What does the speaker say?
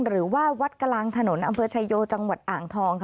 หรือว่าวัดกลางถนนอำเภอชายโยจังหวัดอ่างทอง